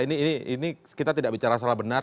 ini kita tidak bicara salah benar